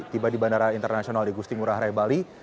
tiba di bandara internasional di gusti murah rai bali